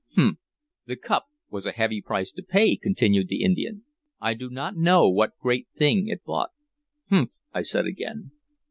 "Humph!" "The cup was a heavy price to pay," continued the Indian. "I do not know what great thing it bought." "Humph!" I said again.